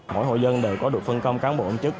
mỗi hội dân đều có được phân công cán bộ công chức